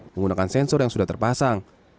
menggunakan sensor yang sudah terpasang